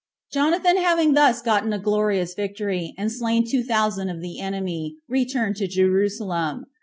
8. Jonathan having thus gotten a glorious victory, and slain two thousand of the enemy, returned to Jerusalem.